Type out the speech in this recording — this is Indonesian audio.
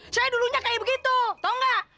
saya dulunya kayak begitu tau gak